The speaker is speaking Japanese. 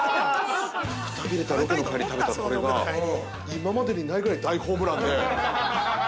くたびれたロケの帰りに食べたこれが、今までにないぐらい大ホームランで。